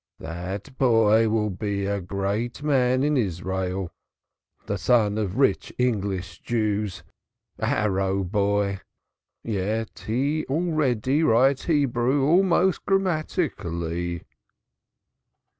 That boy will be a great man in Israel. The son of rich English Jews a Harrow boy, yet he already writes Hebrew almost grammatically."